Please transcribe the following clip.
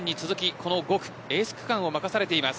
この５区エース区間を任されています。